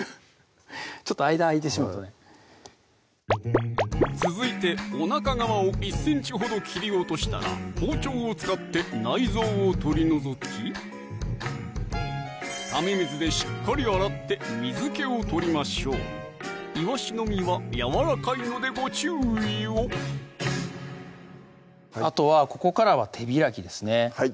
ちょっと間空いてしまうとね続いておなか側を１ｃｍほど切り落としたら包丁を使って内臓を取り除きため水でしっかり洗って水気を取りましょういわしの身はやわらかいのでご注意をあとはここからは手開きですね